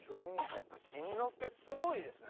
やっぱり新之助すごいですね。